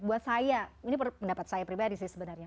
buat saya ini pendapat saya pribadi sih sebenarnya